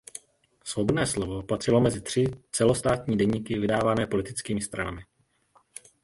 Svobodné slovo patřilo mezi tři celostátní deníky vydávané politickými stranami.